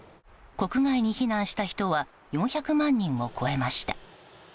国外に避難した人は４００万人を超えました。